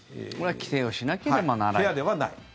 これは規制をしなければならない。